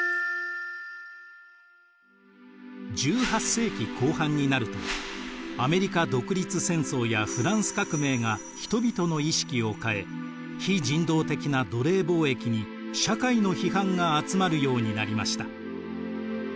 １８世紀後半になるとアメリカ独立戦争やフランス革命が人々の意識を変え非人道的な奴隷貿易に社会の批判が集まるようになりました。